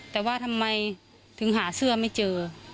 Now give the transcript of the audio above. แต่ว่าทำไมถึงหาเสื้อไม่เจอ